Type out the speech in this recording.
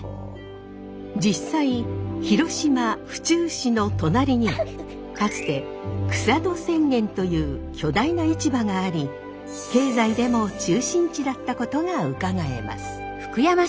実際広島・府中市の隣にはかつて草戸千軒という巨大な市場があり経済でも中心地だったことがうかがえます。